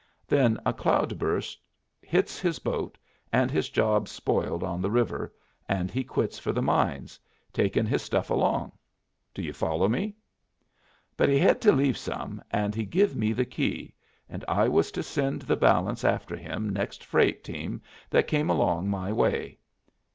Then a cloud burst hits his boat and his job's spoiled on the river, and he quits for the mines, takin' his stuff along do you follow me? But he hed to leave some, and he give me the key, and I was to send the balance after him next freight team that come along my way.